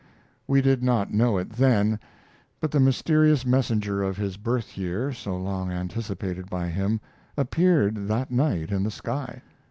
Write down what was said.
We did not know it, then, but the mysterious messenger of his birth year, so long anticipated by him, appeared that night in the sky.